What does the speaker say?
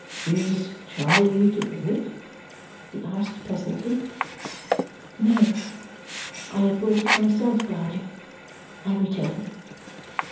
"Is Charley to bring it?" he asked pleasantly. "No. I have brought it myself, guardian," I returned.